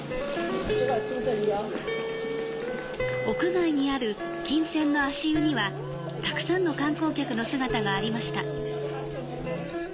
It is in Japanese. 屋外にある金泉の足湯には、たくさんの観光客の姿がありました。